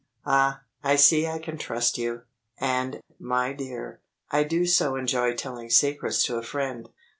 Ah, I see I can trust you! And, my dear, I do so enjoy telling secrets to a friend.